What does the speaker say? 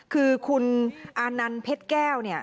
คือคุณอานันด์เพ็ดแก้ว